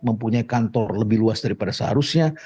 mempunyai kantor lebih luas daripada seharusnya